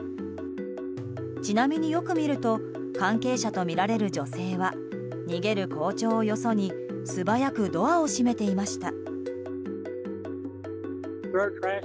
ちなみに、よく見ると関係者とみられる女性は逃げる校長をよそに素早くドアを閉めていました。